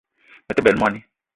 Me te benn moni